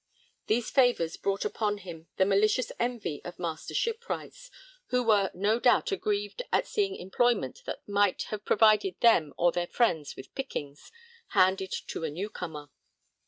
These favours brought upon him the 'malicious envy' of the Master Shipwrights, who were no doubt aggrieved at seeing employment that might have provided them or their friends with 'pickings,' handed to a newcomer.